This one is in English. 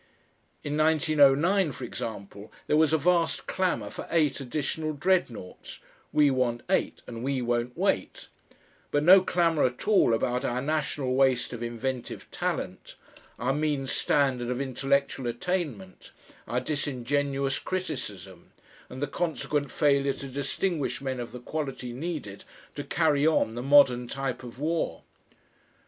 In 1909, for example, there was a vast clamour for eight additional Dreadnoughts "We want eight And we won't wait," but no clamour at all about our national waste of inventive talent, our mean standard of intellectual attainment, our disingenuous criticism, and the consequent failure to distinguish men of the quality needed to carry on the modern type of war.